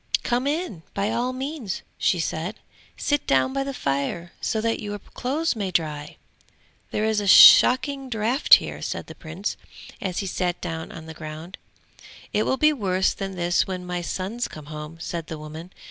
'Come in, by all means!' she said; 'sit down by the fire so that your clothes may dry!' 'There is a shocking draught here,' said the Prince, as he sat down on the ground. 'It will be worse than this when my sons come home!' said the woman.